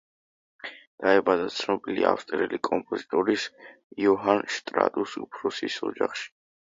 დაიბადა ცნობილი ავსტრიელი კომპოზიტორის იოჰან შტრაუს უფროსის ოჯახში.